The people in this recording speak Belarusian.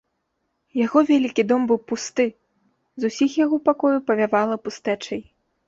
Яго вялікі дом быў пусты, з усіх яго пакояў павявала пустэчай.